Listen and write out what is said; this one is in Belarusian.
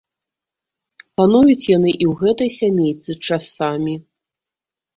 Пануюць яны і ў гэтай сямейцы часамі.